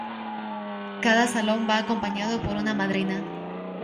Cada salón va acompañado por una madrina.